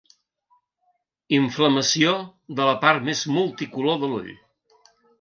Inflamació de la part més multicolor de l'ull.